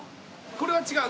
これは違う。